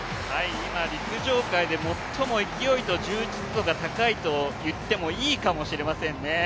今、陸上界で最も勢いと充実度が高いと言ってもいいかもしれませんね。